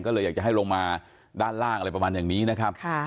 ก็เลยอยากจะให้ลงมาด้านล่างอะไรประมาณอย่างนี้นะครับ